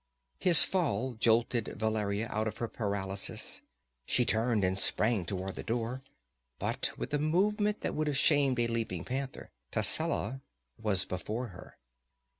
His fall jolted Valeria out of her paralysis. She turned and sprang toward the door, but with a movement that would have shamed a leaping panther, Tascela was before her.